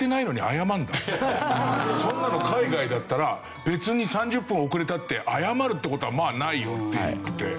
そんなの海外だったら別に３０分遅れたって謝るって事はまあないよって言ってて。